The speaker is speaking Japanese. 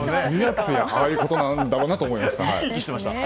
ああいうことなんだろうなと思いました。